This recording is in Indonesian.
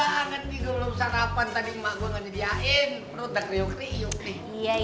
kalau udah bonyok tuh